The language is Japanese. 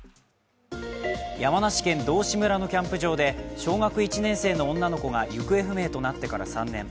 山梨県道志村のキャンプ場で小学１年生の女の子が行方不明となってから３年。